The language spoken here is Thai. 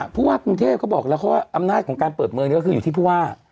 ผู้ว่ากรุงเทพเขาบอกแล้วเขาว่าอำนาจของการเปิดเมืองนี้ก็คืออยู่ที่ผู้ว่า